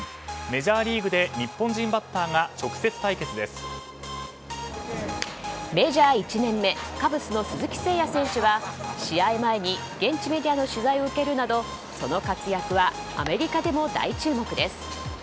メジャー１年目カブスの鈴木誠也選手は試合前に現地メディアの取材を受けるなどその活躍はアメリカでも大注目です。